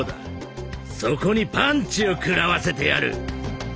そこにパンチを食らわせてやる！」。